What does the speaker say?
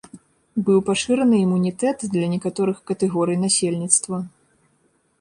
Быў пашыраны імунітэт для некаторых катэгорый насельніцтва.